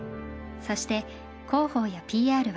そして広報やＰＲはトムさん。